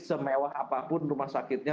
semewah apapun rumah sakitnya